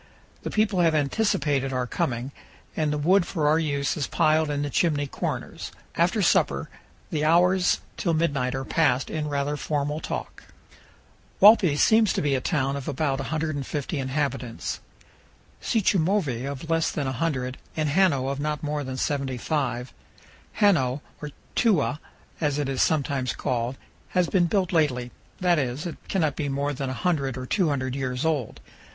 The people have anticipated our coming, and the wood for our use is piled in the chimney corners. After supper the hours till midnight are passed in rather formal talk. Walpi seems to be a town of about 150 inhabitants, Sichumovi of less than 100, and Hano of not more than 75. Hano, or "Tewa" as it is sometimes called, has been built lately; that is, it cannot be more than 100 or 200 years old.